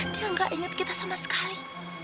dia nggak ingat kita sama sekali